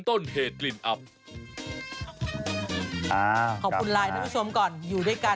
แต่พรุ่งนี้หลายคนคงจะไปเที่ยวเนอะ